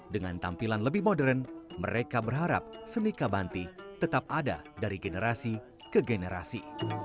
dengan tampilan lebih modern mereka berharap seni kabanti tetap ada dari generasi ke generasi